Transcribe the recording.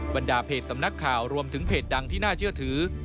บรรดาเพจสำนักข่าวรวมถึงเพจดังที่น่าเชื่อถือ